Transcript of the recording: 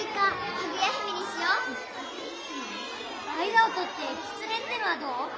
間をとって「きつね」ってのはどう？